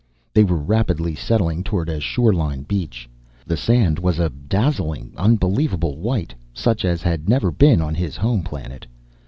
They were rapidly settling toward a shoreline, a beach. The sand was a dazzling, unbelievable white such as had never been on his home planet.